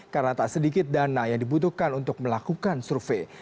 karena tak sedikit dana yang dibutuhkan untuk melakukan survei